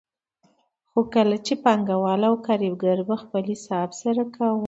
خو کله چې به پانګوال او کارګر خپل حساب سره کاوه